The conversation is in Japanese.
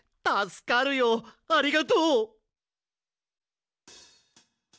たすかるよありがとう！